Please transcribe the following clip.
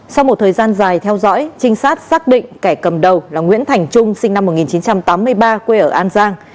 sau một thời gian dài theo dõi trinh sát xác định kẻ cầm đầu là nguyễn thành trung sinh năm một nghìn chín trăm tám mươi ba quê ở an giang